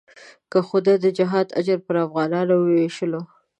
که خدای د جهاد اجر پر افغانانو وېشلو.